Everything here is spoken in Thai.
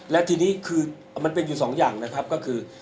และทีนี้คือมันเป็นอยู่สองอย่างนะครับก็คือ